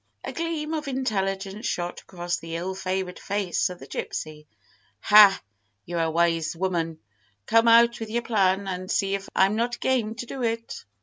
A gleam of intelligence shot across the ill favoured face of the gypsy. "Ha! you're a wise woman. Come, out with your plan, and see if I'm not game to do it."